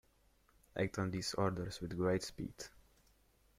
Act on these orders with great speed.